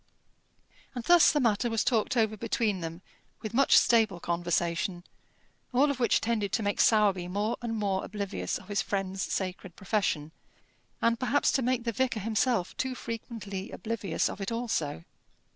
And thus the matter was talked over between them with much stable conversation, all of which tended to make Sowerby more and more oblivious of his friend's sacred profession, and perhaps to make the vicar himself too frequently oblivious of it also.